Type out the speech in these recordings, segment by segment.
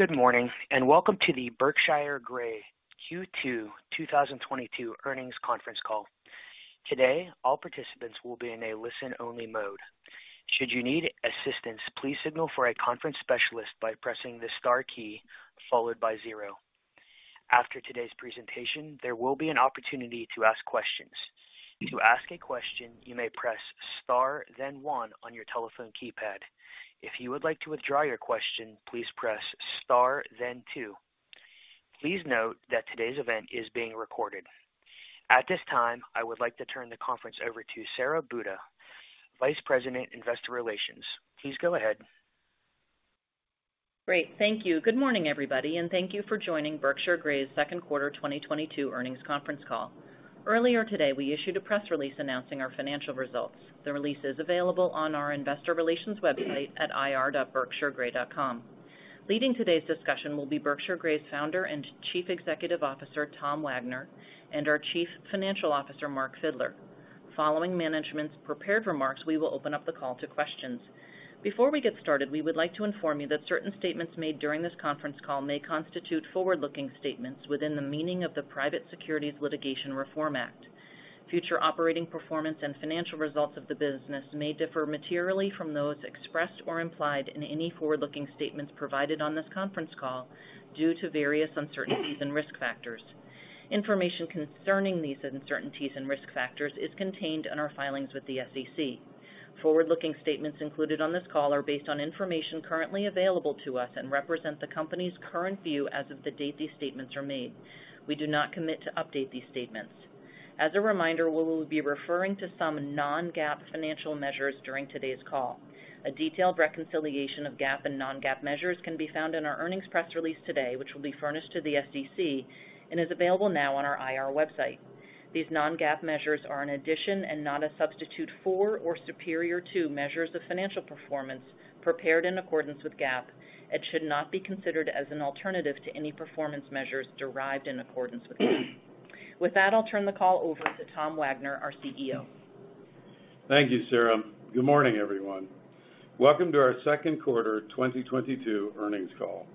Good morning, and welcome to the Berkshire Grey Q2 2022 Earnings Conference Call. Today, all participants will be in a listen-only mode. Should you need assistance, please signal for a conference specialist by pressing the star key followed by zero. After today's presentation, there will be an opportunity to ask questions. To ask a question, you may press Star then one on your telephone keypad. If you would like to withdraw your question, please press Star then two. Please note that today's event is being recorded. At this time, I would like to turn the conference over to Sara Buda, Vice President, Investor Relations. Please go ahead. Great. Thank you. Good morning, everybody, and thank you for joining Berkshire Grey's second quarter 2022 earnings conference call. Earlier today, we issued a press release announcing our financial results. The release is available on our investor relations website at ir.berkshiregrey.com. Leading today's discussion will be Berkshire Grey's founder and Chief Executive Officer, Tom Wagner, and our Chief Financial Officer, Mark Fidler. Following management's prepared remarks, we will open up the call to questions. Before we get started, we would like to inform you that certain statements made during this conference call may constitute forward-looking statements within the meaning of the Private Securities Litigation Reform Act. Future operating performance and financial results of the business may differ materially from those expressed or implied in any forward-looking statements provided on this conference call due to various uncertainties and risk factors. Information concerning these uncertainties and risk factors is contained in our filings with the SEC. Forward-looking statements included on this call are based on information currently available to us and represent the company's current view as of the date these statements are made. We do not commit to update these statements. As a reminder, we will be referring to some non-GAAP financial measures during today's call. A detailed reconciliation of GAAP and non-GAAP measures can be found in our earnings press release today, which will be furnished to the SEC and is available now on our IR website. These non-GAAP measures are an addition and not a substitute for or superior to measures of financial performance prepared in accordance with GAAP and should not be considered as an alternative to any performance measures derived in accordance with GAAP. With that, I'll turn the call over to Tom Wagner, our CEO. Thank you, Sara. Good morning, everyone. Welcome to our second quarter 2022 earnings call.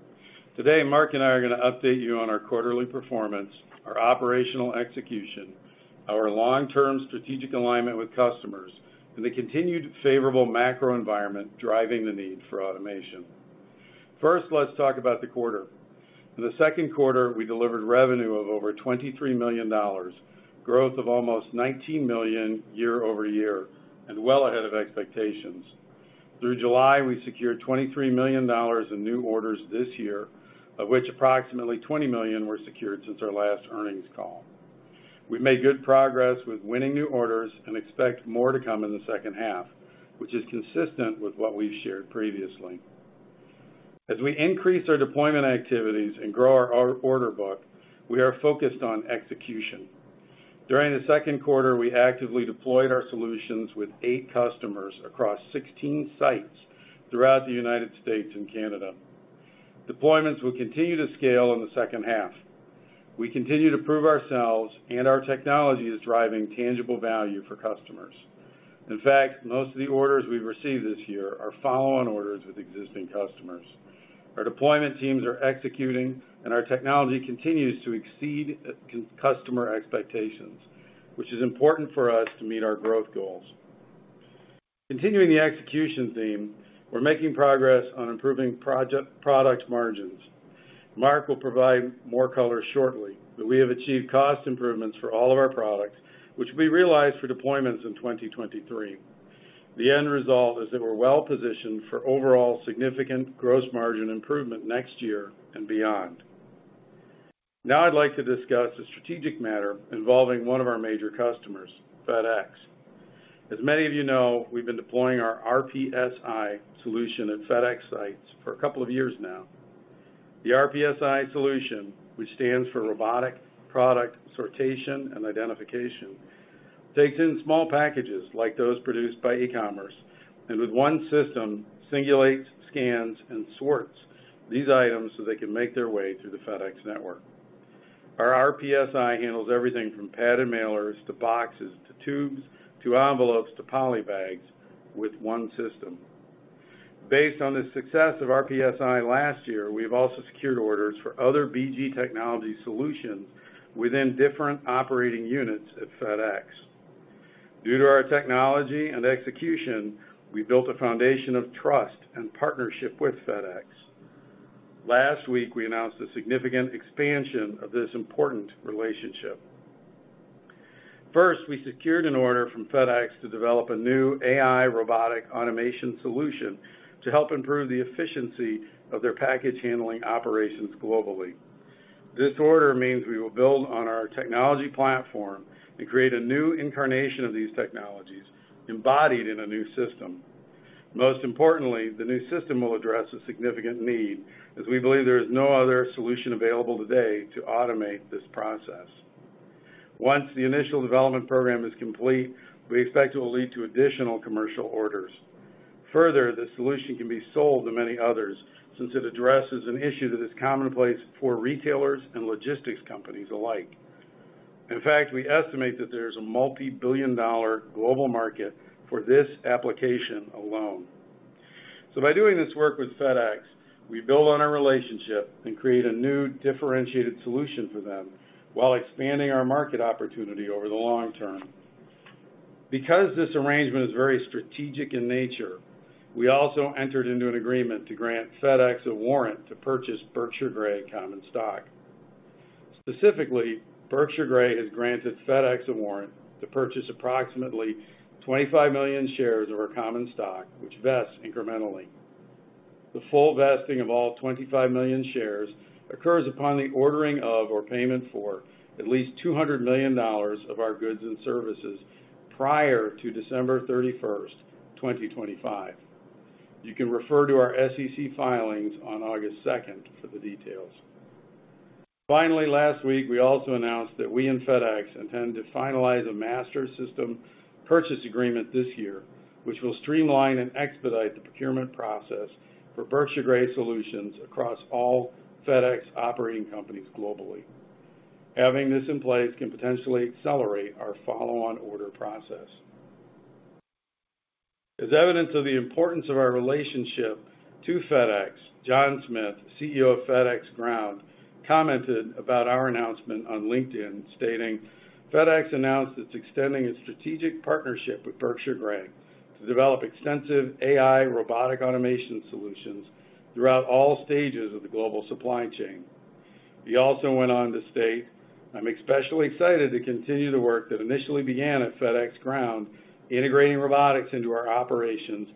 Today, Mark and I are gonna update you on our quarterly performance, our operational execution, our long-term strategic alignment with customers, and the continued favorable macro environment driving the need for automation. First, let's talk about the quarter. In the second quarter, we delivered revenue of over $23 million, growth of almost $19 million year-over-year, and well ahead of expectations. Through July, we secured $23 million in new orders this year, of which approximately $20 million were secured since our last earnings call. We made good progress with winning new orders and expect more to come in the second half, which is consistent with what we've shared previously. As we increase our deployment activities and grow our order book, we are focused on execution. During the second quarter, we actively deployed our solutions with 8 customers across 16 sites throughout the United States and Canada. Deployments will continue to scale in the second half. We continue to prove ourselves and our technology is driving tangible value for customers. In fact, most of the orders we've received this year are follow-on orders with existing customers. Our deployment teams are executing, and our technology continues to exceed customer expectations, which is important for us to meet our growth goals. Continuing the execution theme, we're making progress on improving products margins. Mark will provide more color shortly, but we have achieved cost improvements for all of our products, which we realize for deployments in 2023. The end result is that we're well positioned for overall significant gross margin improvement next year and beyond. Now I'd like to discuss a strategic matter involving one of our major customers, FedEx. As many of you know, we've been deploying our RPSi solution at FedEx sites for a couple of years now. The RPSi solution, which stands for Robotic Product Sortation and Identification, takes in small packages like those produced by e-commerce, and with one system, singulates, scans, and sorts these items so they can make their way through the FedEx network. Our RPSi handles everything from padded mailers, to boxes, to tubes, to envelopes, to poly bags with one system. Based on the success of RPSi last year, we've also secured orders for other BG technology solutions within different operating units at FedEx. Due to our technology and execution, we built a foundation of trust and partnership with FedEx. Last week, we announced a significant expansion of this important relationship. First, we secured an order from FedEx to develop a new AI robotic automation solution to help improve the efficiency of their package handling operations globally. This order means we will build on our technology platform and create a new incarnation of these technologies embodied in a new system. Most importantly, the new system will address a significant need as we believe there is no other solution available today to automate this process. Once the initial development program is complete, we expect it will lead to additional commercial orders. Further, the solution can be sold to many others since it addresses an issue that is commonplace for retailers and logistics companies alike. In fact, we estimate that there's a multi-billion dollar global market for this application alone. By doing this work with FedEx, we build on our relationship and create a new differentiated solution for them while expanding our market opportunity over the long term. Because this arrangement is very strategic in nature, we also entered into an agreement to grant FedEx a warrant to purchase Berkshire Grey common stock. Specifically, Berkshire Grey has granted FedEx a warrant to purchase approximately 25 million shares of our common stock, which vests incrementally. The full vesting of all 25 million shares occurs upon the ordering of or payment for at least $200 million of our goods and services prior to December 31st, 2025. You can refer to our SEC filings on August 2nd for the details. Finally, last week, we also announced that we and FedEx intend to finalize a master system purchase agreement this year, which will streamline and expedite the procurement process for Berkshire Grey solutions across all FedEx operating companies globally. Having this in place can potentially accelerate our follow-on order process. As evidence of the importance of our relationship to FedEx, John A. Smith, CEO of FedEx Ground, commented about our announcement on LinkedIn, stating, "FedEx announced it's extending its strategic partnership with Berkshire Grey to develop extensive AI robotic automation solutions throughout all stages of the global supply chain." He also went on to state, "I'm especially excited to continue the work that initially began at FedEx Ground, integrating robotics into our operations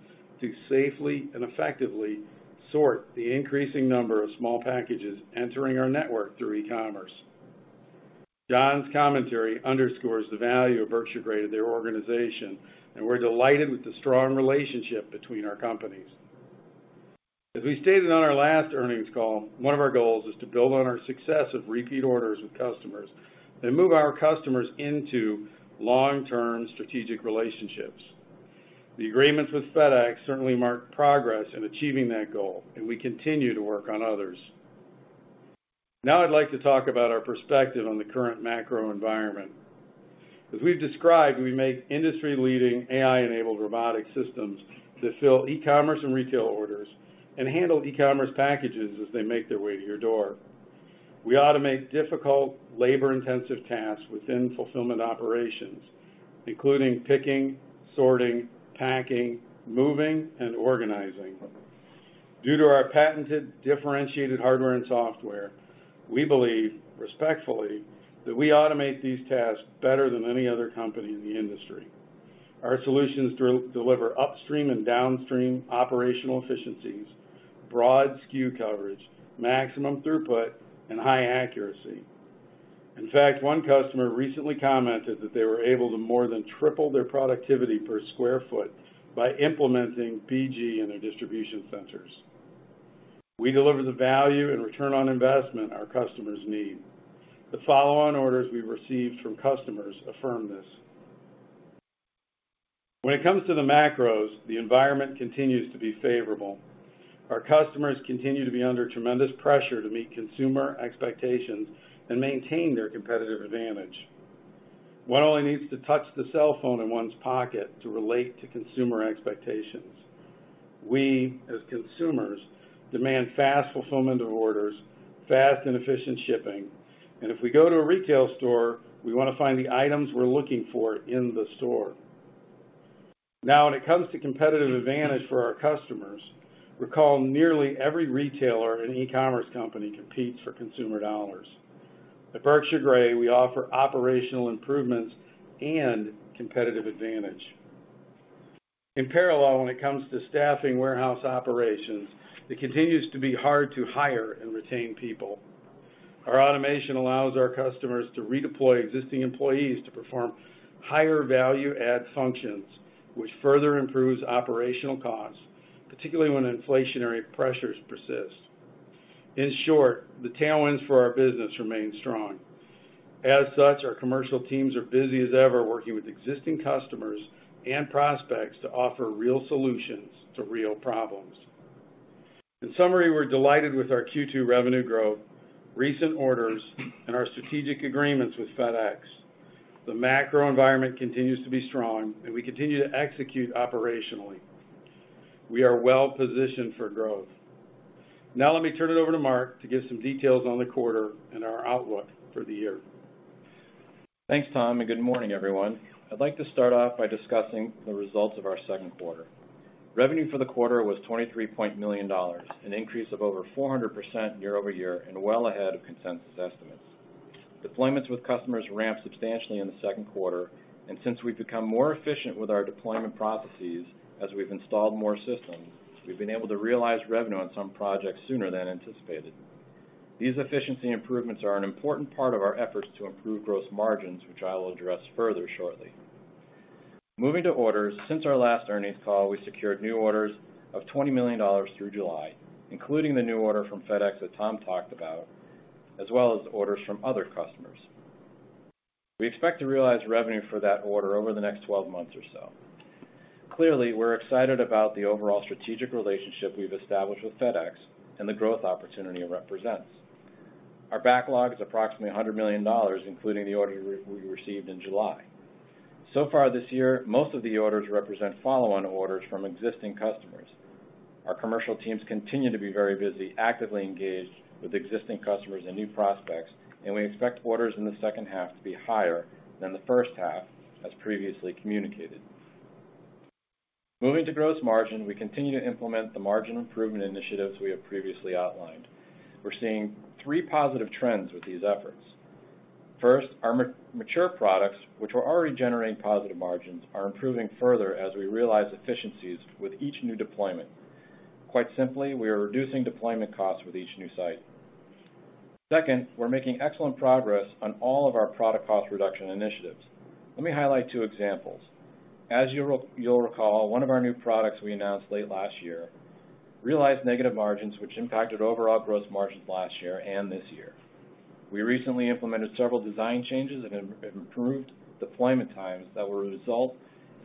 to safely and effectively sort the increasing number of small packages entering our network through e-commerce." John A. Smith's commentary underscores the value of Berkshire Grey to their organization, and we're delighted with the strong relationship between our companies. As we stated on our last earnings call, one of our goals is to build on our success of repeat orders with customers, then move our customers into long-term strategic relationships. The agreements with FedEx certainly mark progress in achieving that goal, and we continue to work on others. Now I'd like to talk about our perspective on the current macro environment. As we've described, we make industry-leading AI-enabled robotic systems to fill e-commerce and retail orders and handle e-commerce packages as they make their way to your door. We automate difficult labor-intensive tasks within fulfillment operations, including picking, sorting, packing, moving, and organizing. Due to our patented differentiated hardware and software, we believe, respectfully, that we automate these tasks better than any other company in the industry. Our solutions deliver upstream and downstream operational efficiencies, broad SKU coverage, maximum throughput, and high accuracy. In fact, one customer recently commented that they were able to more than triple their productivity per square foot by implementing BG in their distribution centers. We deliver the value and return on investment our customers need. The follow-on orders we've received from customers affirm this. When it comes to the macros, the environment continues to be favorable. Our customers continue to be under tremendous pressure to meet consumer expectations and maintain their competitive advantage. One only needs to touch the cell phone in one's pocket to relate to consumer expectations. We, as consumers, demand fast fulfillment of orders, fast and efficient shipping, and if we go to a retail store, we wanna find the items we're looking for in the store. Now, when it comes to competitive advantage for our customers, recall nearly every retailer and e-commerce company competes for consumer dollars. At Berkshire Grey, we offer operational improvements and competitive advantage. In parallel, when it comes to staffing warehouse operations, it continues to be hard to hire and retain people. Our automation allows our customers to redeploy existing employees to perform higher value add functions, which further improves operational costs, particularly when inflationary pressures persist. In short, the tailwinds for our business remain strong. As such, our commercial teams are busy as ever working with existing customers and prospects to offer real solutions to real problems. In summary, we're delighted with our Q2 revenue growth, recent orders, and our strategic agreements with FedEx. The macro environment continues to be strong, and we continue to execute operationally. We are well positioned for growth. Now let me turn it over to Mark to give some details on the quarter and our outlook for the year. Thanks, Tom, and good morning, everyone. I'd like to start off by discussing the results of our second quarter. Revenue for the quarter was $23 million, an increase of over 400% year-over-year and well ahead of consensus estimates. Deployments with customers ramped substantially in the second quarter, and since we've become more efficient with our deployment processes as we've installed more systems, we've been able to realize revenue on some projects sooner than anticipated. These efficiency improvements are an important part of our efforts to improve gross margins, which I will address further shortly. Moving to orders, since our last earnings call, we secured new orders of $20 million through July, including the new order from FedEx that Tom talked about, as well as orders from other customers. We expect to realize revenue for that order over the next 12 months or so. Clearly, we're excited about the overall strategic relationship we've established with FedEx and the growth opportunity it represents. Our backlog is approximately $100 million, including the order we received in July. So far this year, most of the orders represent follow-on orders from existing customers. Our commercial teams continue to be very busy, actively engaged with existing customers and new prospects, and we expect orders in the second half to be higher than the first half, as previously communicated. Moving to gross margin, we continue to implement the margin improvement initiatives we have previously outlined. We're seeing 3 positive trends with these efforts. First, our mature products, which were already generating positive margins, are improving further as we realize efficiencies with each new deployment. Quite simply, we are reducing deployment costs with each new site. Second, we're making excellent progress on all of our product cost reduction initiatives. Let me highlight two examples. As you'll recall, one of our new products we announced late last year realized negative margins, which impacted overall gross margins last year and this year. We recently implemented several design changes and have improved deployment times that will result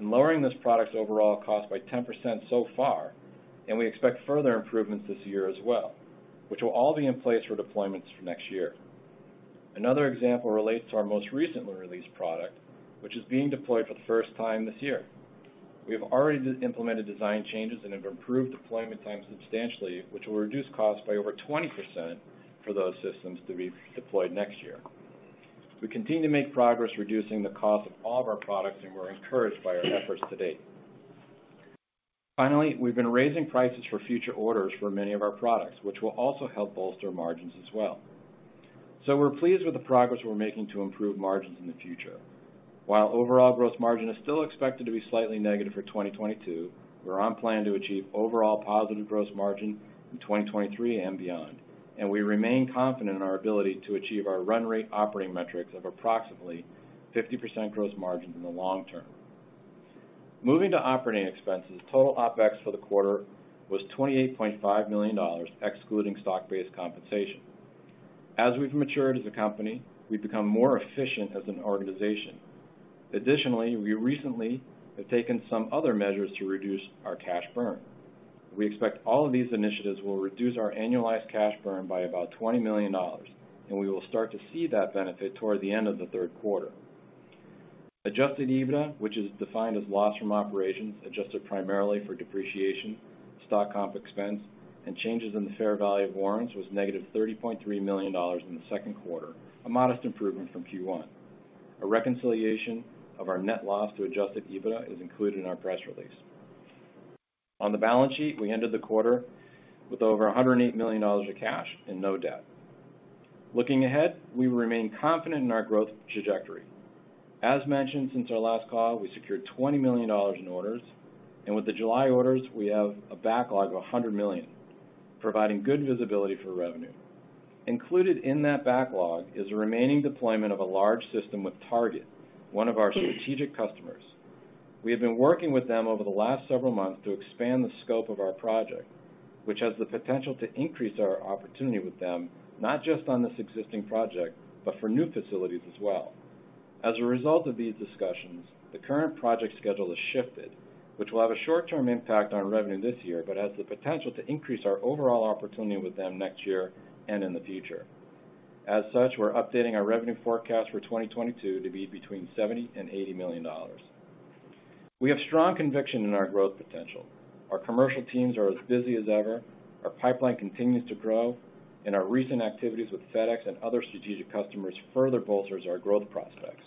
in lowering this product's overall cost by 10% so far, and we expect further improvements this year as well, which will all be in place for deployments for next year. Another example relates to our most recently released product, which is being deployed for the first time this year. We have already implemented design changes and have improved deployment time substantially, which will reduce costs by over 20% for those systems to be deployed next year. We continue to make progress reducing the cost of all of our products, and we're encouraged by our efforts to date. Finally, we've been raising prices for future orders for many of our products, which will also help bolster margins as well. We're pleased with the progress we're making to improve margins in the future. While overall gross margin is still expected to be slightly negative for 2022, we're on plan to achieve overall positive gross margin in 2023 and beyond, and we remain confident in our ability to achieve our run rate operating metrics of approximately 50% gross margin in the long term. Moving to operating expenses, total OpEx for the quarter was $28.5 million, excluding stock-based compensation. As we've matured as a company, we've become more efficient as an organization. Additionally, we recently have taken some other measures to reduce our cash burn. We expect all of these initiatives will reduce our annualized cash burn by about $20 million, and we will start to see that benefit toward the end of the third quarter. Adjusted EBITDA, which is defined as loss from operations, adjusted primarily for depreciation, stock comp expense, and changes in the fair value of warrants, was negative $30.3 million in the second quarter, a modest improvement from Q1. A reconciliation of our net loss to Adjusted EBITDA is included in our press release. On the balance sheet, we ended the quarter with over $108 million of cash and no debt. Looking ahead, we remain confident in our growth trajectory. As mentioned since our last call, we secured $20 million in orders, and with the July orders, we have a backlog of $100 million, providing good visibility for revenue. Included in that backlog is a remaining deployment of a large system with Target, one of our strategic customers. We have been working with them over the last several months to expand the scope of our project, which has the potential to increase our opportunity with them, not just on this existing project, but for new facilities as well. As a result of these discussions, the current project schedule has shifted, which will have a short-term impact on revenue this year, but has the potential to increase our overall opportunity with them next year and in the future. As such, we're updating our revenue forecast for 2022 to be between $70 million and $80 million. We have strong conviction in our growth potential. Our commercial teams are as busy as ever. Our pipeline continues to grow. Our recent activities with FedEx and other strategic customers further bolsters our growth prospects.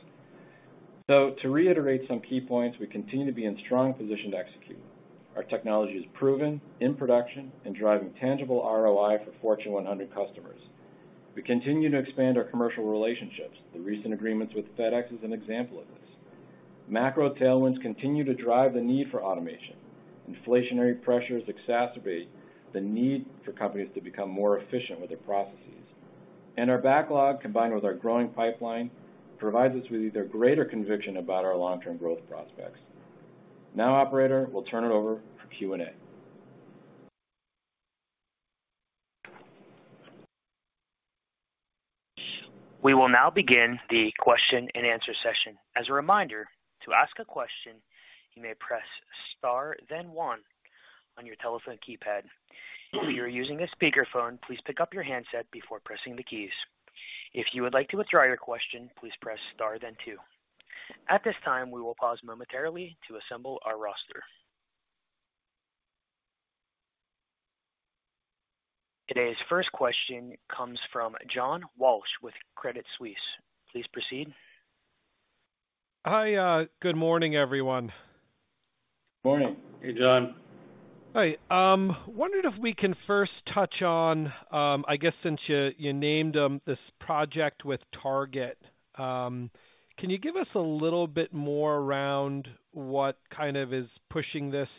To reiterate some key points, we continue to be in strong position to execute. Our technology is proven, in production, and driving tangible ROI for Fortune 100 customers. We continue to expand our commercial relationships. The recent agreements with FedEx is an example of this. Macro tailwinds continue to drive the need for automation. Inflationary pressures exacerbate the need for companies to become more efficient with their processes. Our backlog, combined with our growing pipeline, provides us with either greater conviction about our long-term growth prospects. Now, operator, we'll turn it over for Q&A. We will now begin the question-and-answer session. As a reminder, to ask a question, you may press star then one on your telephone keypad. If you are using a speakerphone, please pick up your handset before pressing the keys. If you would like to withdraw your question, please press star then two. At this time, we will pause momentarily to assemble our roster. Today's first question comes from John Walsh with Credit Suisse. Please proceed. Hi. Good morning, everyone. Morning. Hey, John. Hi. Wondered if we can first touch on, I guess since you named this project with Target, can you give us a little bit more around what kind of is pushing this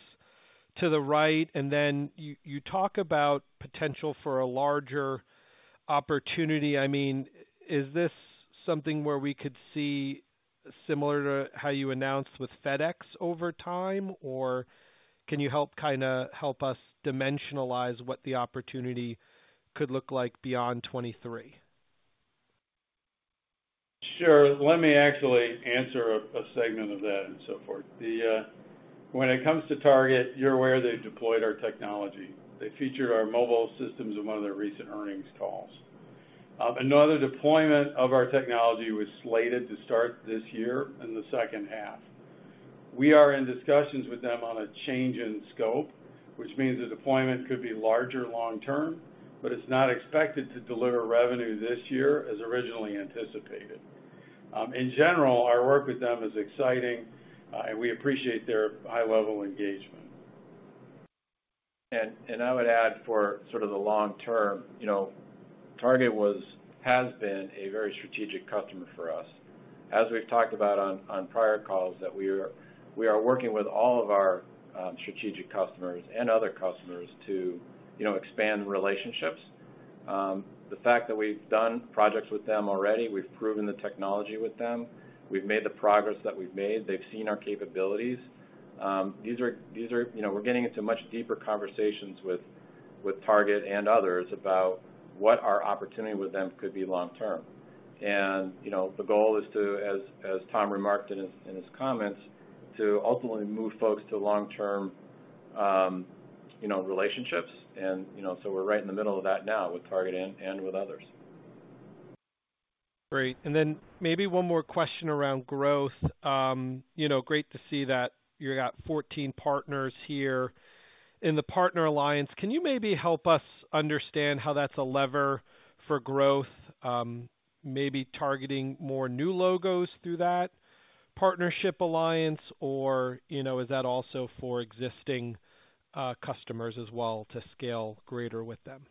to the right? You talk about potential for a larger opportunity. I mean, is this something where we could see similar to how you announced with FedEx over time? Can you help us dimensionalize what the opportunity could look like beyond 2023? Sure. Let me actually answer a segment of that and so forth. When it comes to Target, you're aware they deployed our technology. They feature our mobile systems in one of their recent earnings calls. Another deployment of our technology was slated to start this year in the second half. We are in discussions with them on a change in scope, which means the deployment could be larger long term, but it's not expected to deliver revenue this year as originally anticipated. In general, our work with them is exciting, and we appreciate their high level engagement. I would add for sort of the long term, you know, Target has been a very strategic customer for us. As we've talked about on prior calls that we are working with all of our strategic customers and other customers to, you know, expand relationships. The fact that we've done projects with them already, we've proven the technology with them. We've made the progress that we've made. They've seen our capabilities. These are. You know, we're getting into much deeper conversations with Target and others about what our opportunity with them could be long term. You know, the goal is to, as Tom remarked in his comments, to ultimately move folks to long-term, you know, relationships. You know, so we're right in the middle of that now with Target and with others. Great. Maybe one more question around growth. You know, great to see that you got 14 partners here in the partner alliance. Can you maybe help us understand how that's a lever for growth? Maybe targeting more new logos through that partnership alliance? Or, you know, is that also for existing customers as well to scale greater with them?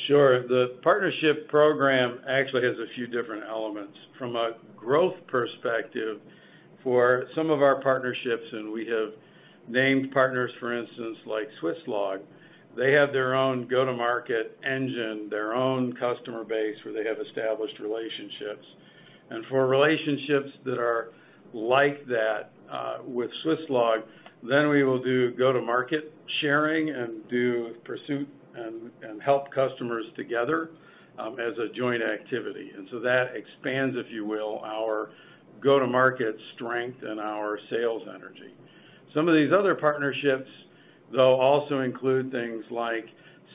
Sure. The partnership program actually has a few different elements. From a growth perspective for some of our partnerships, and we have named partners, for instance, like Swisslog. They have their own go-to-market engine, their own customer base where they have established relationships. For relationships that are like that with Swisslog, then we will do go-to-market sharing and do pursuit and help customers together as a joint activity. That expands, if you will, our go-to-market strength and our sales energy. Some of these other partnerships, though, also include things like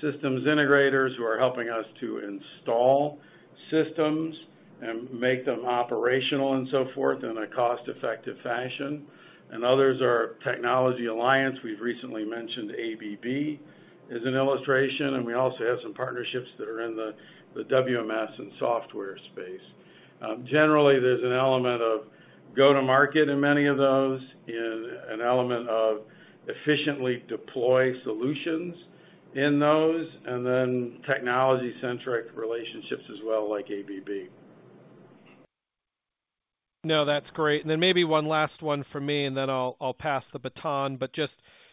systems integrators who are helping us to install systems and make them operational and so forth in a cost-effective fashion. Others are technology alliance. We've recently mentioned ABB as an illustration, and we also have some partnerships that are in the WMS and software space. Generally, there's an element of go-to-market in many of those, an element of efficiently deploy solutions in those, and then technology-centric relationships as well, like ABB. No, that's great. Maybe one last one for me, and then I'll pass the baton. Just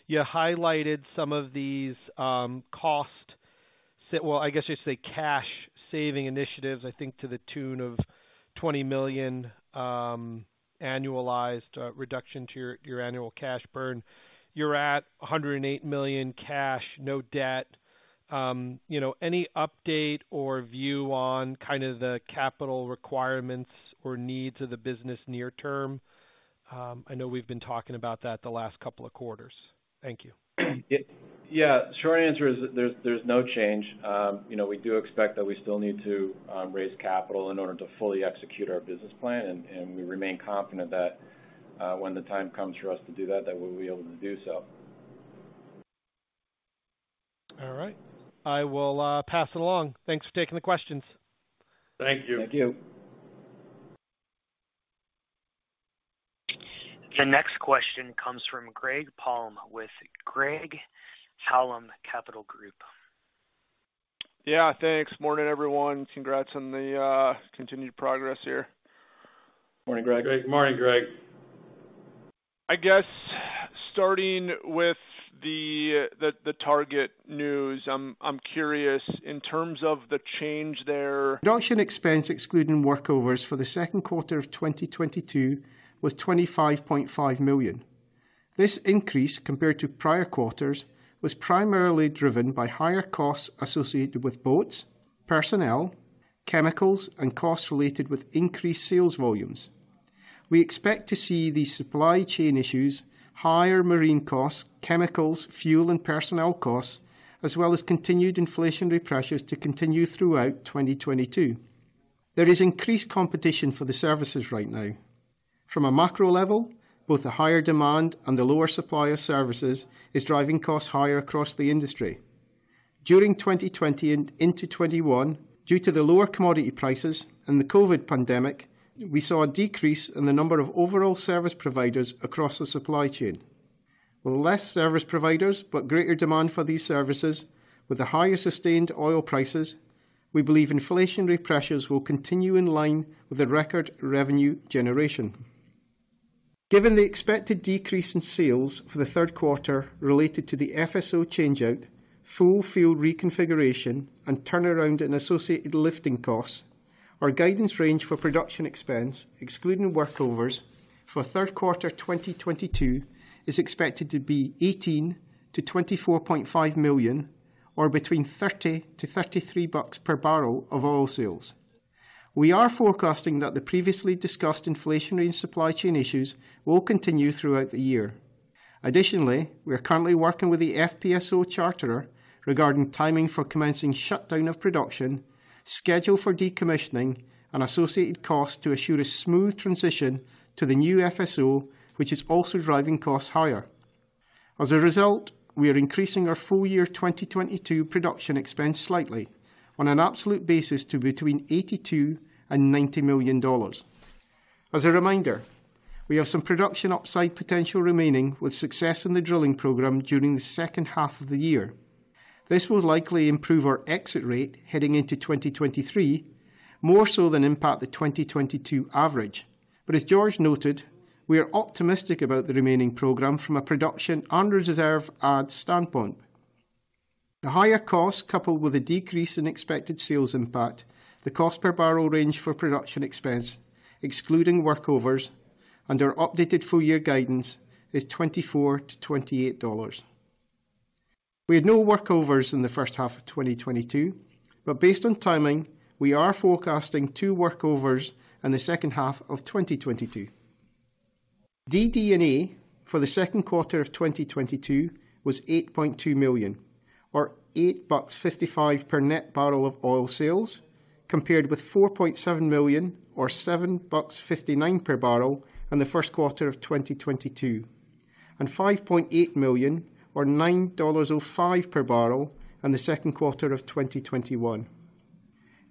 you highlighted some of these. Well, I guess you say cash saving initiatives, I think to the tune of $20 million annualized reduction to your annual cash burn. You're at $108 million cash, no debt. You know, any update or view on kind of the capital requirements or needs of the business near term? I know we've been talking about that the last couple of quarters. Thank you. Yeah. Short answer is there's no change. You know, we do expect that we still need to raise capital in order to fully execute our business plan, and we remain confident that when the time comes for us to do that we'll be able to do so. All right. I will pass it along. Thanks for taking the questions. Thank you. Thank you. The next question comes from Greg Palm with Craig-Hallum Capital Group. Yeah, thanks. Morning, everyone. Congrats on the continued progress here. Morning, Greg. Good morning, Greg. I guess starting with the Target news, I'm curious in terms of the change there. Production expense, excluding workovers, for the second quarter of 2022 was $25.5 million. This increase compared to prior quarters was primarily driven by higher costs associated with boats, personnel, chemicals, and costs related with increased sales volumes. We expect to see these supply chain issues, higher marine costs, chemicals, fuel and personnel costs, as well as continued inflationary pressures to continue throughout 2022. There is increased competition for the services right now. From a macro level, both the higher demand and the lower supply of services is driving costs higher across the industry. During 2020 and into 2021, due to the lower commodity prices and the COVID pandemic, we saw a decrease in the number of overall service providers across the supply chain. With less service providers, but greater demand for these services with the higher sustained oil prices, we believe inflationary pressures will continue in line with the record revenue generation. Given the expected decrease in sales for the third quarter related to the FSO change-out, full field reconfiguration, and turnaround and associated lifting costs, our guidance range for production expense, excluding workovers for third quarter 2022, is expected to be $18-$24.5 million. Between 30-33 bucks per barrel of oil sales. We are forecasting that the previously discussed inflationary supply chain issues will continue throughout the year. Additionally, we are currently working with the FPSO charterer regarding timing for commencing shutdown of production, schedule for decommissioning and associated costs to assure a smooth transition to the new FSO, which is also driving costs higher. As a result, we are increasing our full year 2022 production expense slightly on an absolute basis to between $82 million and $90 million. As a reminder, we have some production upside potential remaining with success in the drilling program during the second half of the year. This will likely improve our exit rate heading into 2023 more so than impact the 2022 average. As George noted, we are optimistic about the remaining program from a production and reserve add standpoint. The higher costs, coupled with a decrease in expected sales, impact the cost per barrel range for production expense, excluding workovers, and our updated full year guidance is $24-$28. We had no workovers in the first half of 2022, but based on timing, we are forecasting two workovers in the second half of 2022. DD&A for the second quarter of 2022 was $8.2 million or $8.55 per net barrel of oil sales, compared with $4.7 million or $7.59 per barrel in the first quarter of 2022 and $5.8 million or $9.05 per barrel in the second quarter of 2021.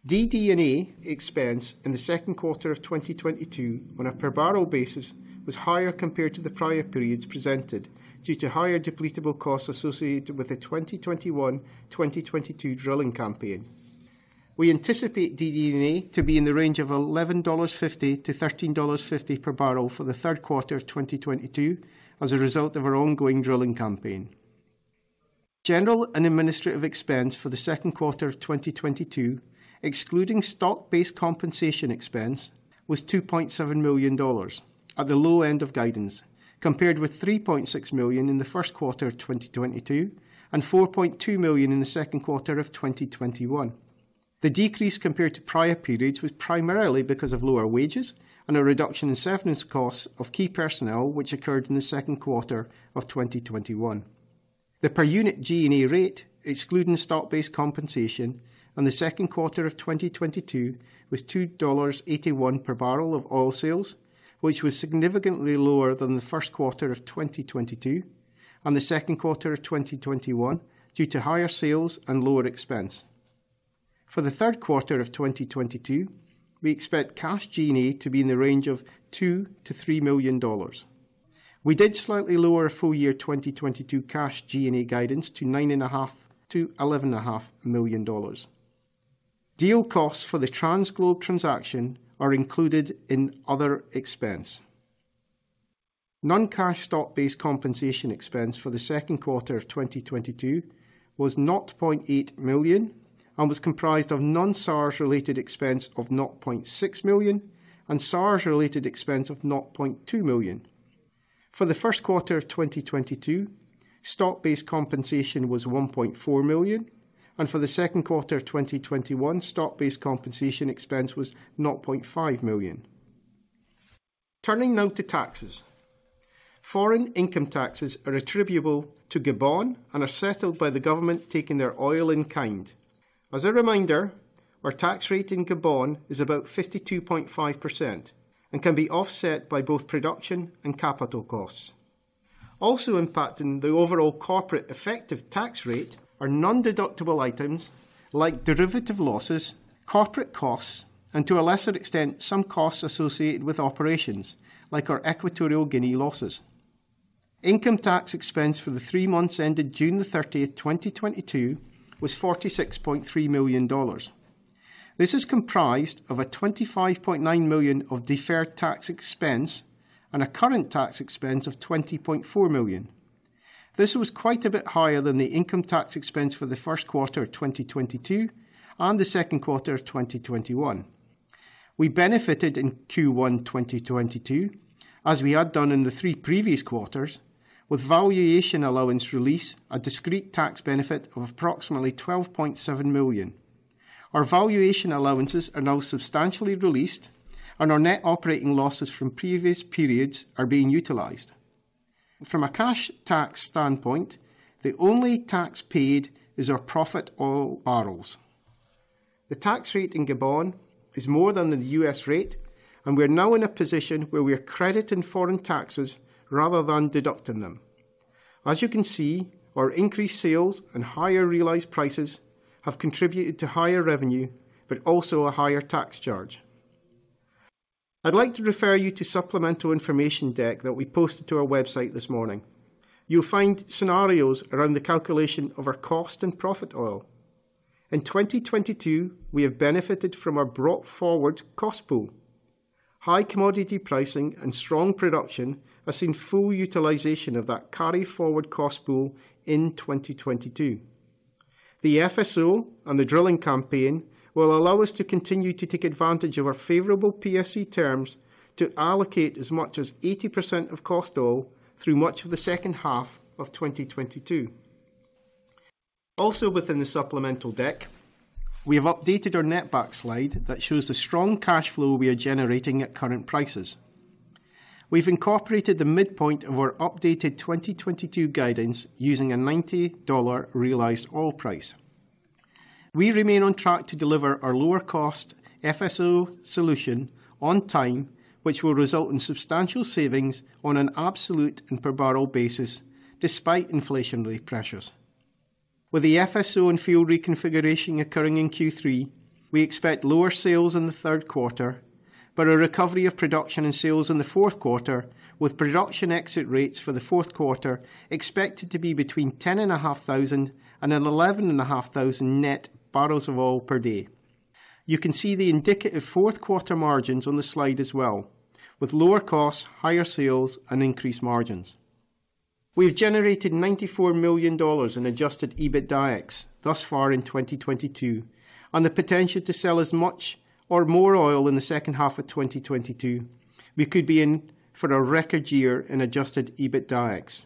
DD&A expense in the second quarter of 2022 on a per barrel basis was higher compared to the prior periods presented due to higher depletable costs associated with the 2021, 2022 drilling campaign. We anticipate DD&A to be in the range of $11.50-$13.50 per barrel for the third quarter of 2022 as a result of our ongoing drilling campaign. General and administrative expense for the second quarter of 2022, excluding stock-based compensation expense, was $2.7 million at the low end of guidance, compared with $3.6 million in the first quarter of 2022 and $4.2 million in the second quarter of 2021. The decrease compared to prior periods was primarily because of lower wages and a reduction in severance costs of key personnel, which occurred in the second quarter of 2021. The per unit G&A rate, excluding stock-based compensation in the second quarter of 2022 was $2.81 per barrel of oil sales, which was significantly lower than the first quarter of 2022 and the second quarter of 2021 due to higher sales and lower expense. For the third quarter of 2022, we expect cash G&A to be in the range of $2-$3 million. We did slightly lower full year 2022 cash G&A guidance to $9.5-$11.5 million. Deal costs for the TransGlobe transaction are included in other expense. Non-cash stock-based compensation expense for the second quarter of 2022 was $0.8 million and was comprised of non-SARS related expense of $0.6 million and SARS related expense of $0.2 million. For the first quarter of 2022, stock-based compensation was $1.4 million, and for the second quarter of 2021, stock-based compensation expense was $0.5 million. Turning now to taxes. Foreign income taxes are attributable to Gabon and are settled by the government taking their oil in kind. As a reminder, our tax rate in Gabon is about 52.5% and can be offset by both production and capital costs. Also impacting the overall corporate effective tax rate are non-deductible items like derivative losses, corporate costs, and to a lesser extent, some costs associated with operations like our Equatorial Guinea losses. Income tax expense for the three months ended June 30, 2022 was $46.3 million. This is comprised of $25.9 million of deferred tax expense and a current tax expense of $20.4 million. This was quite a bit higher than the income tax expense for the first quarter of 2022 and the second quarter of 2021. We benefited in Q1 2022, as we had done in the three previous quarters with valuation allowance release, a discrete tax benefit of approximately $12.7 million. Our valuation allowances are now substantially released and our net operating losses from previous periods are being utilized. From a cash tax standpoint, the only tax paid is our profit oil barrels. The tax rate in Gabon is more than the U.S. rate and we are now in a position where we are crediting foreign taxes rather than deducting them. As you can see, our increased sales and higher realized prices have contributed to higher revenue, but also a higher tax charge. I'd like to refer you to supplemental information deck that we posted to our website this morning. You'll find scenarios around the calculation of our cost and profit oil. In 2022, we have benefited from our brought forward cost pool. High commodity pricing and strong production has seen full utilization of that carry forward cost pool in 2022. The FSO and the drilling campaign will allow us to continue to take advantage of our favorable PSC terms to allocate as much as 80% of cost oil through much of the second half of 2022. Within the supplemental deck, we have updated our netback slide that shows the strong cash flow we are generating at current prices. We've incorporated the midpoint of our updated 2022 guidance using a $90 realized oil price. We remain on track to deliver our lower cost FSO solution on time, which will result in substantial savings on an absolute and per barrel basis despite inflationary pressures. With the FSO and field reconfiguration occurring in Q3, we expect lower sales in the third quarter, but a recovery of production and sales in the fourth quarter, with production exit rates for the fourth quarter expected to be between 10,500 and 11,500 net barrels of oil per day. You can see the indicative fourth quarter margins on the slide as well, with lower costs, higher sales, and increased margins. We have generated $94 million in Adjusted EBITDAX thus far in 2022, and the potential to sell as much or more oil in the second half of 2022. We could be in for a record year in Adjusted EBITDAX.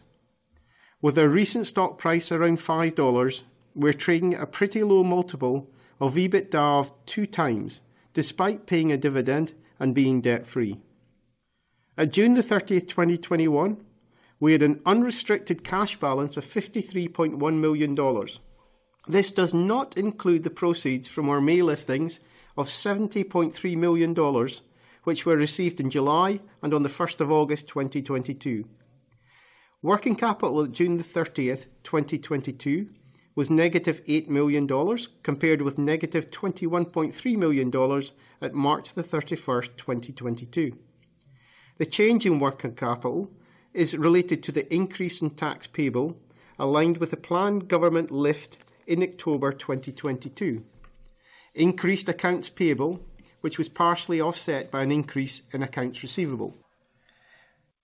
With our recent stock price around $5, we're trading a pretty low multiple of EBITDA of 2x despite paying a dividend and being debt-free. At June 30, 2021, we had an unrestricted cash balance of $53.1 million. This does not include the proceeds from our May liftings of $70.3 million, which were received in July and on the first of August 2022. Working capital at June 30, 2022 was -$8 million compared with -$21.3 million at March 31, 2022. The change in working capital is related to the increase in tax payable, aligned with the planned government lift in October 2022. Increased accounts payable, which was partially offset by an increase in accounts receivable.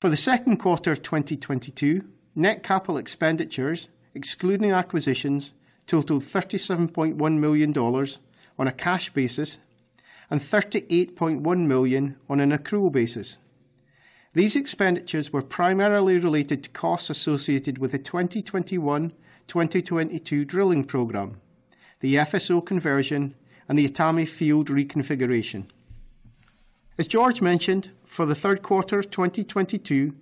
For the second quarter of 2022, net capital expenditures, excluding acquisitions, totaled $37.1 million on a cash basis and $38.1 million on an accrual basis. These expenditures were primarily related to costs associated with the 2021, 2022 drilling program, the FSO conversion, and the Etame field reconfiguration. As George mentioned, for the third quarter of 2022,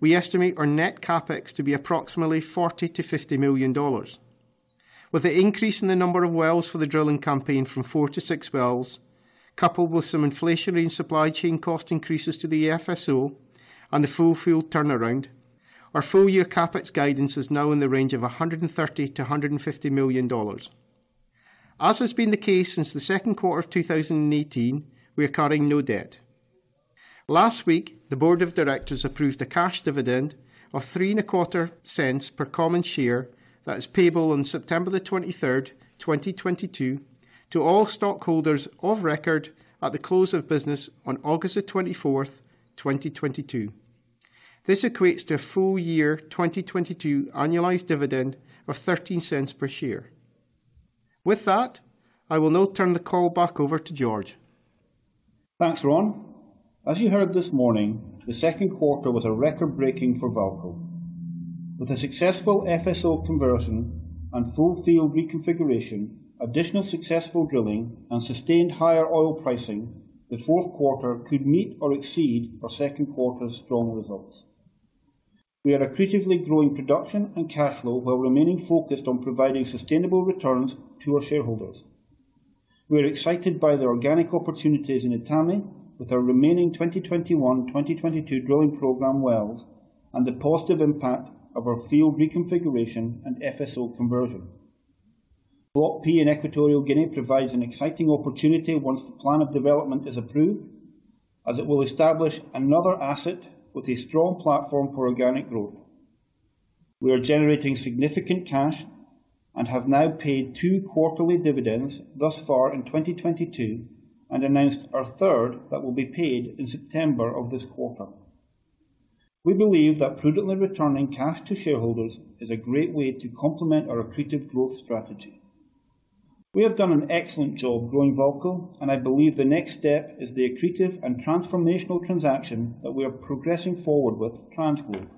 we estimate our net CapEx to be approximately $40-$50 million. With the increase in the number of wells for the drilling campaign from 4 to 6 wells, coupled with some inflationary and supply chain cost increases to the FSO and the full field turnaround, our full year CapEx guidance is now in the range of $130-$150 million. As has been the case since the second quarter of 2018, we are carrying no debt. Last week, the board of directors approved a cash dividend of $0.0325 per common share that is payable on September 23rd, 2022 to all stockholders of record at the close of business on August 24th, 2022. This equates to a full year 2022 annualized dividend of $0.13 per share. With that, I will now turn the call back over to George. Thanks, Ron. As you heard this morning, the second quarter was a record-breaking for VAALCO. With a successful FSO conversion and full field reconfiguration, additional successful drilling, and sustained higher oil pricing, the fourth quarter could meet or exceed our second quarter's strong results. We are accretively growing production and cash flow while remaining focused on providing sustainable returns to our shareholders. We are excited by the organic opportunities in Etame with our remaining 2021/2022 drilling program wells and the positive impact of our field reconfiguration and FSO conversion. Block P in Equatorial Guinea provides an exciting opportunity once the plan of development is approved, as it will establish another asset with a strong platform for organic growth. We are generating significant cash and have now paid two quarterly dividends thus far in 2022 and announced our third that will be paid in September of this quarter. We believe that prudently returning cash to shareholders is a great way to complement our accretive growth strategy. We have done an excellent job growing VAALCO, and I believe the next step is the accretive and transformational transaction that we are progressing forward with TransGlobe.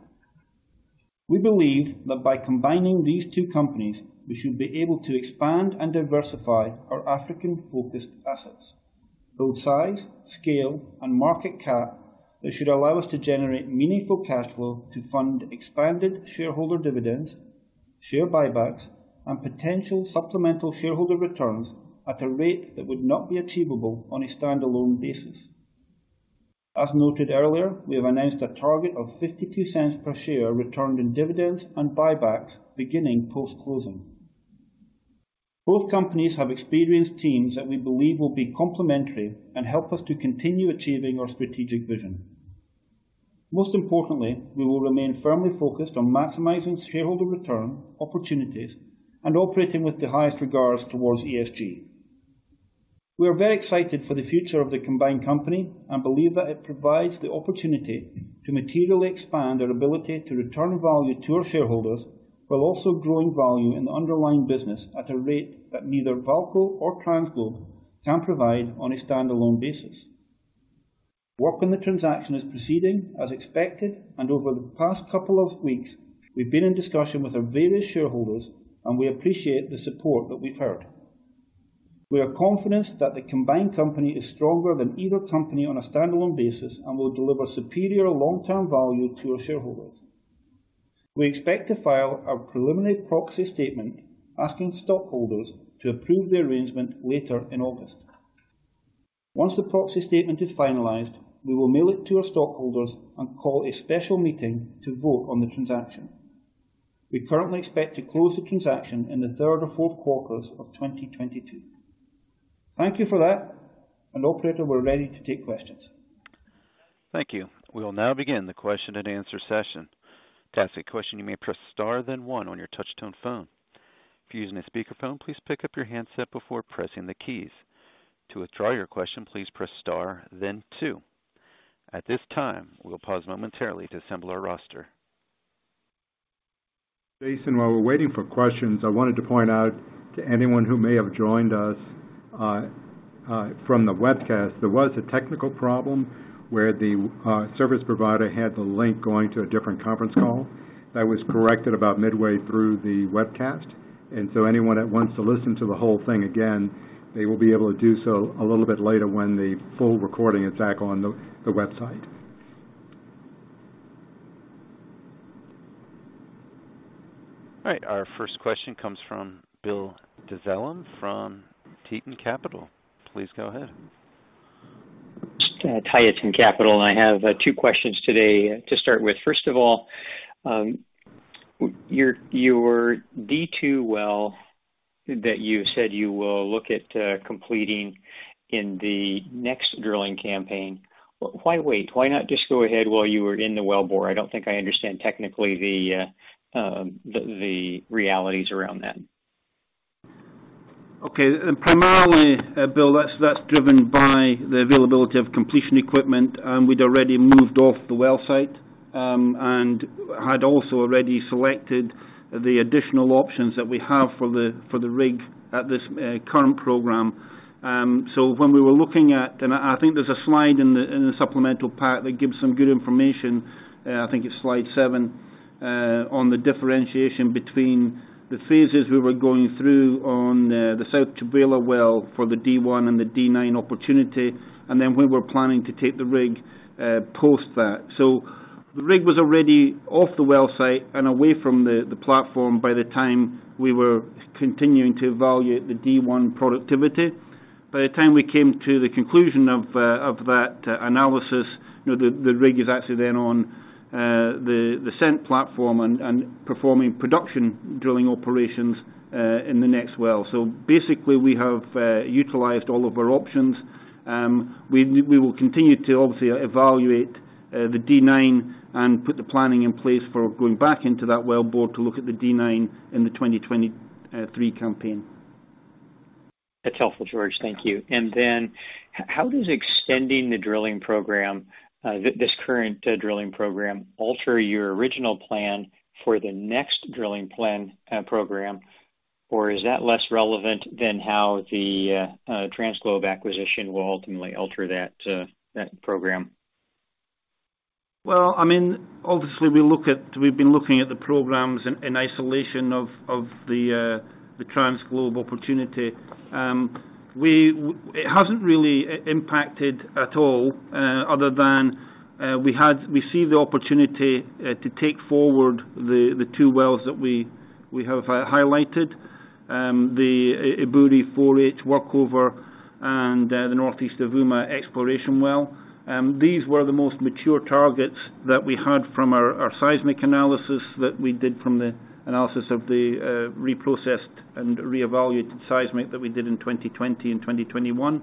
We believe that by combining these two companies, we should be able to expand and diversify our African-focused assets. Both size, scale, and market cap that should allow us to generate meaningful cash flow to fund expanded shareholder dividends, share buybacks, and potential supplemental shareholder returns at a rate that would not be achievable on a standalone basis. As noted earlier, we have announced a target of $0.52 per share returned in dividends and buybacks beginning post-closing. Both companies have experienced teams that we believe will be complementary and help us to continue achieving our strategic vision. Most importantly, we will remain firmly focused on maximizing shareholder return opportunities and operating with the highest regards towards ESG. We are very excited for the future of the combined company and believe that it provides the opportunity to materially expand our ability to return value to our shareholders while also growing value in the underlying business at a rate that neither VAALCO or TransGlobe can provide on a standalone basis. Work on the transaction is proceeding as expected, and over the past couple of weeks, we've been in discussion with our various shareholders, and we appreciate the support that we've heard. We are confident that the combined company is stronger than either company on a standalone basis and will deliver superior long-term value to our shareholders. We expect to file our preliminary proxy statement asking stockholders to approve the arrangement later in August. Once the proxy statement is finalized, we will mail it to our stockholders and call a special meeting to vote on the transaction. We currently expect to close the transaction in the third or fourth quarters of 2022. Thank you for that, and operator, we're ready to take questions. Thank you. We will now begin the question and answer session. To ask a question, you may press Star, then one on your touch tone phone. If you're using a speakerphone, please pick up your handset before pressing the keys. To withdraw your question, please press Star then two. At this time, we'll pause momentarily to assemble our roster. Jason, while we're waiting for questions, I wanted to point out to anyone who may have joined us from the webcast, there was a technical problem where the service provider had the link going to a different conference call. That was corrected about midway through the webcast. Anyone that wants to listen to the whole thing again, they will be able to do so a little bit later when the full recording is back on the website. All right. Our first question comes from Bill Dezellem from Tieton Capital. Please go ahead. Hi, Tieton Capital Management, and I have two questions today to start with. First of all, your D2 well that you said you will look at completing in the next drilling campaign. Why wait? Why not just go ahead while you were in the wellbore? I don't think I understand technically the realities around that. Okay. Primarily, Bill, that's driven by the availability of completion equipment. We'd already moved off the well site and had also already selected the additional options that we have for the rig at this current program. I think there's a slide in the supplemental pack that gives some good information. I think it's slide seven, on the differentiation between the phases we were going through on the Southeast Etame well for the D1 and the D9 opportunity, and then we were planning to take the rig post that. The rig was already off the well site and away from the platform by the time we were continuing to evaluate the D1 productivity. By the time we came to the conclusion of that analysis, you know, the rig is actually then on the Southeast platform and performing production drilling operations in the next well. Basically, we have utilized all of our options. We will continue to obviously evaluate the D9 and put the planning in place for going back into that well bore to look at the D9 in the 2023 campaign. That's helpful, George. Thank you. How does extending the drilling program, this current drilling program alter your original plan for the next drilling program? Is that less relevant than how the TransGlobe acquisition will ultimately alter that program? I mean, obviously, we look at. We've been looking at the programs in isolation of the TransGlobe opportunity. It hasn't really impacted at all, other than we see the opportunity to take forward the two wells that we have highlighted. The Ebouri-4H workover and the Northeast Etame exploration well. These were the most mature targets that we had from our seismic analysis that we did from the analysis of the reprocessed and reevaluated seismic that we did in 2020 and 2021.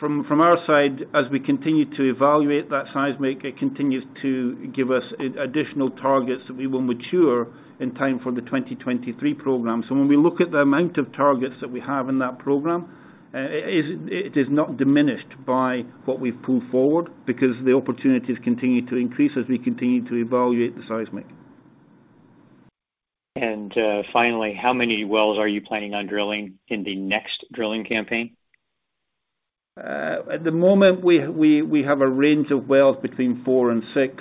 From our side, as we continue to evaluate that seismic, it continues to give us additional targets that we will mature in time for the 2023 program. When we look at the amount of targets that we have in that program, it is not diminished by what we've pulled forward because the opportunities continue to increase as we continue to evaluate the seismic. Finally, how many wells are you planning on drilling in the next drilling campaign? At the moment we have a range of wells between four and six.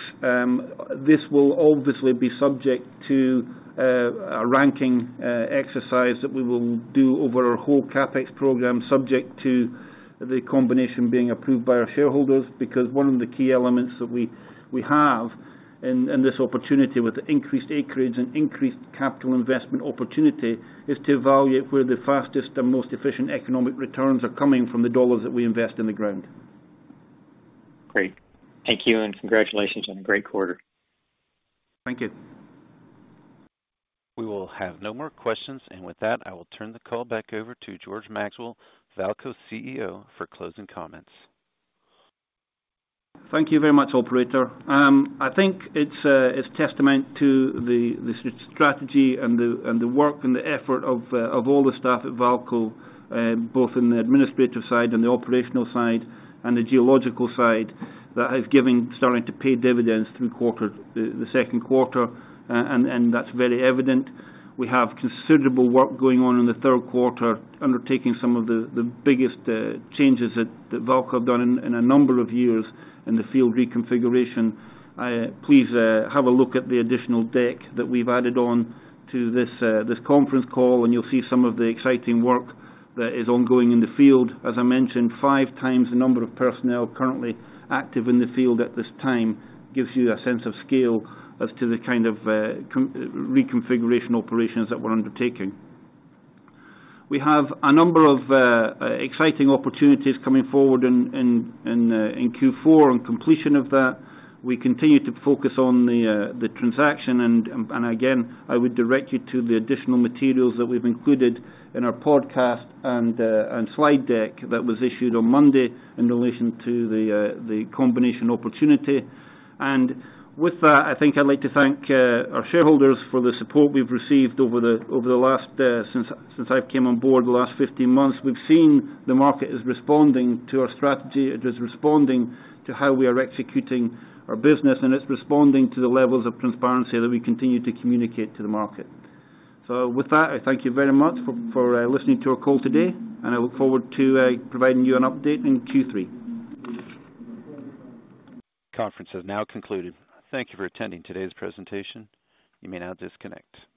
This will obviously be subject to a ranking exercise that we will do over our whole CapEx program, subject to the combination being approved by our shareholders. Because one of the key elements that we have in this opportunity with the increased acreage and increased capital investment opportunity is to evaluate where the fastest and most efficient economic returns are coming from the dollars that we invest in the ground. Great. Thank you, and congratulations on a great quarter. Thank you. We will have no more questions. With that, I will turn the call back over to George Maxwell, VAALCO CEO, for closing comments. Thank you very much, operator. I think it's testament to the strategy and the work and the effort of all the staff at VAALCO, both in the administrative side and the operational side and the geological side that starting to pay dividends through the second quarter. That's very evident. We have considerable work going on in the third quarter, undertaking some of the biggest changes that VAALCO have done in a number of years in the field reconfiguration. Please have a look at the additional deck that we've added on to this conference call, and you'll see some of the exciting work that is ongoing in the field. As I mentioned, five times the number of personnel currently active in the field at this time gives you a sense of scale as to the kind of reconfiguration operations that we're undertaking. We have a number of exciting opportunities coming forward in Q4 on completion of that. We continue to focus on the transaction, and again, I would direct you to the additional materials that we've included in our podcast and slide deck that was issued on Monday in relation to the combination opportunity. With that, I think I'd like to thank our shareholders for the support we've received over the last since I've came on board the last 15 months. We've seen the market is responding to our strategy. It is responding to how we are executing our business, and it's responding to the levels of transparency that we continue to communicate to the market. With that, I thank you very much for listening to our call today, and I look forward to providing you an update in Q3. Conference is now concluded. Thank you for attending today's presentation. You may now disconnect.